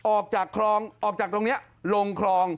ออกจากคลองออกจากตรงนี้ลงคลอง